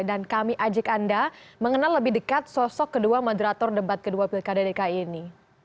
dan kami ajak anda mengenal lebih dekat sosok kedua moderator debat kedua pilkada dki ini